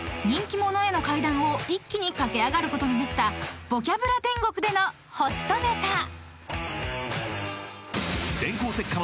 ［人気者への階段を一気に駆け上がることになった『ボキャブラ天国』でのホストネタ］